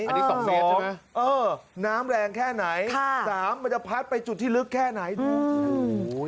อันนี้๒เมตรใช่ไหมเออน้ำแรงแค่ไหนค่ะสามมันจะพัดไปจุดที่ลึกแค่ไหนดูโอ้โห